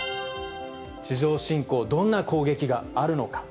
地上侵攻、どんな攻撃があるのか？